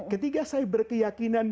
ketiga saya berkeyakinan